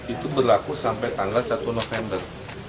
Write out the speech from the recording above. itu berlaku sampai tanggal satu november